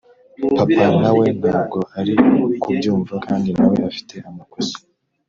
Papa nawe ntabwo ari kubyumva kandi nawe afite amakosa